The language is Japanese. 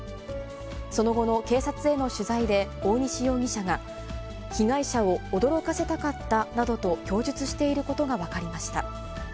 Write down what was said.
その後の警察への取材で大西容疑者が、被害者を驚かせたかったなどと供述していることが分かりました。